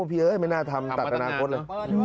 พี่เอ๋ยไม่น่าทำตัดกรรณาโบ๊ทเลย